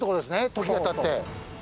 時が経って。